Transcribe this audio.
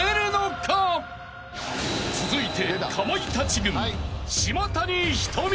［続いて］